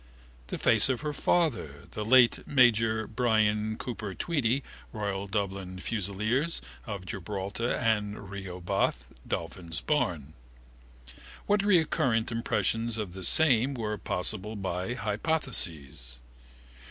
The face of her father, the late Major Brian Cooper Tweedy, Royal Dublin Fusiliers, of Gibraltar and Rehoboth, Dolphin's Barn. What recurrent impressions of the same were possible by hypothesis?